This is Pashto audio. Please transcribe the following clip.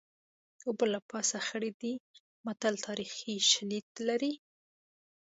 اوبه له پاسه خړې دي متل تاریخي شالید لري